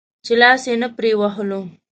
چې لاس يې نه پرې وهلو.